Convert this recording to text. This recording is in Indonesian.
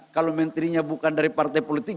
kalau menterinya bukan dari partai politik